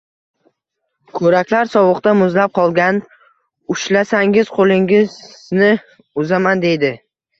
Ko‘raklar sovuqda muzlab qolgan, ushlasangiz qo‘lingizni uzaman deydi.